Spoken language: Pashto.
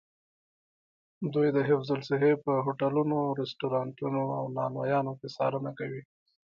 دوی د حفظ الصحې په هوټلونو، رسټورانتونو او نانوایانو کې څارنه کوي.